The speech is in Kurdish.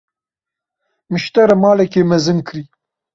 Min ji te re maleke mezin kirî.